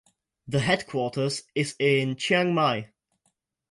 The headquarters is in Chiang Mai.